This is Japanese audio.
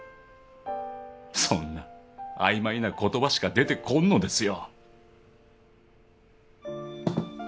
そんな曖昧な言葉しか出てこんのですよ。